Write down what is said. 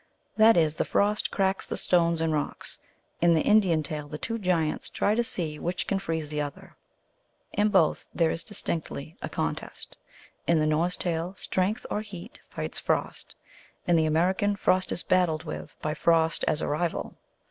That is, the frost cracks the stones and rocks. In the Indian tale the two giants try to see which can freeze the other. In both there is distinctly a con test. In the Norse tale Strength or Heat rights Frost ; in the American, Frost is battled with by Frost as a rival.